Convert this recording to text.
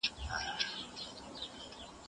د چڼچڼيو او د زرکو پرځای